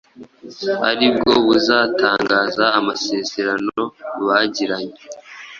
aribwo bazatangaza amasezerano bagiranye